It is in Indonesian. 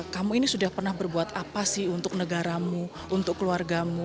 kamu ini sudah pernah berbuat apa sih untuk negaramu untuk keluargamu